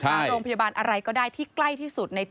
พบหน้าลูกแบบเป็นร่างไร้วิญญาณ